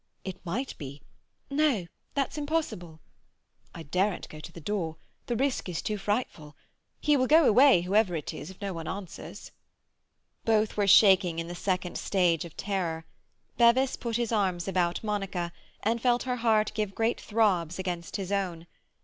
"It might be—" "No! That's impossible." "I daren't go to the door. The risk is too frightful. He will go away, whoever it is, if no one answers." Both were shaking in the second stage of terror. Bevis put his arm about Monica, and felt her heart give great throbs against his own.